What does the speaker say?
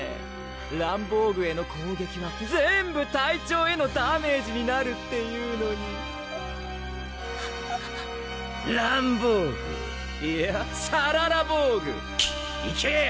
ランボーグへの攻撃は全部隊長へのダメージになるっていうのにああぁランボーグいやシャララボーグいけ！